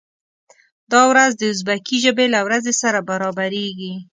دا ورځ د ازبکي ژبې له ورځې سره برابریږي.